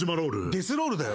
デスロールだよ。